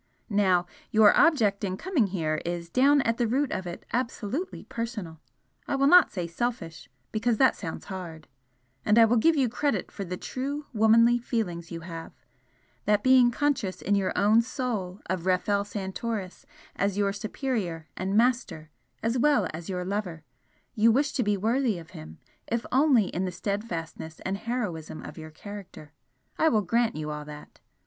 Now your object in coming here is, down at the root of it, absolutely personal I will not say selfish, because that sounds hard and I will give you credit for the true womanly feeling you have, that being conscious in your own soul of Rafel Santoris as your superior and master as well as your lover, you wish to be worthy of him, if only in the steadfastness and heroism of your character. I will grant you all that.